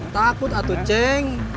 takut atuh ceng